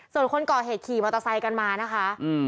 ส่วนคนก่อเหตุขี่มอเตอร์ไซค์กันมานะคะ